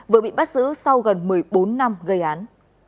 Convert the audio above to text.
vừa bị bắt giữ sau gần một mươi bốn năm gây án